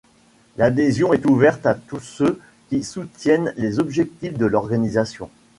L'adhésion est ouverte à tous ceux qui soutiennent les objectifs de l'organisation.